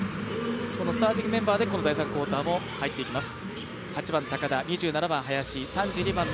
スターティングメンバーで第３クオーターも入ります。